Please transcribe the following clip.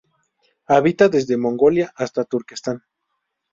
Habita desde Mongolia hasta Turquestán.